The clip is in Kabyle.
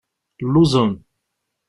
Lluẓen.